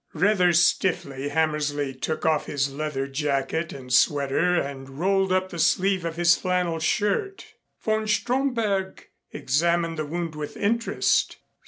Rather stiffly Hammersley took off his leather jacket and sweater and rolled up the sleeve of his flannel shirt. Von Stromberg examined the wound with interest.